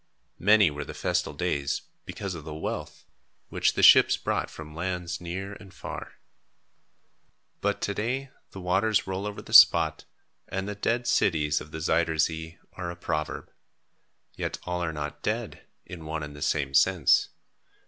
Many were the festal days, because of the wealth, which the ships brought from lands near and far. But to day the waters roll over the spot and "The Dead Cities of the Zuyder Zee" are a proverb. Yet all are not dead, in one and the same sense.